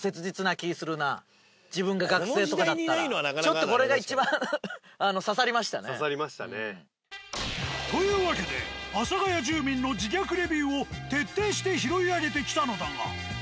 ちょっとこれがいちばん刺さりましたね。というわけで阿佐ヶ谷住民の自虐レビューを徹底して拾い上げてきたのだが。